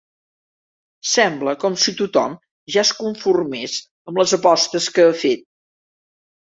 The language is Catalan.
Sembla com si tothom ja es conformés amb les apostes que ha fet.